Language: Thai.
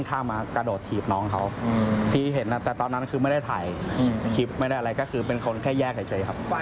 ก็ที่ได้ยินตอนนั้นก็คือเหมือนว่าก็